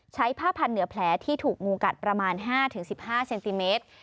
ผ้าพันเหนือแผลที่ถูกงูกัดประมาณ๕๑๕เซนติเมตร